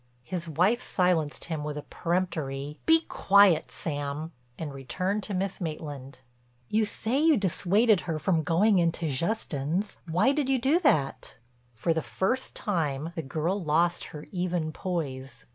His wife silenced him with a peremptory, "Be quiet, Sam," and returned to Miss Maitland: "You say you dissuaded her from going into Justin's. Why did you do that?" For the first time the girl lost her even poise.